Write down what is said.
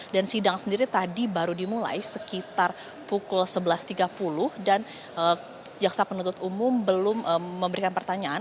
dan sidang sendiri tadi baru dimulai sekitar pukul sebelas tiga puluh dan jaksa penuntut umum belum memberikan pertanyaan